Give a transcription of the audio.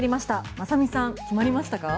雅美さん決まりましたか。